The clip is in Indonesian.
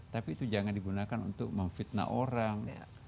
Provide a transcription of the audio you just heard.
tapi itu jangan digunakan untuk memfitnah orang